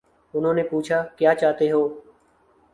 انہوں نے پوچھا: کیا چاہتے ہو؟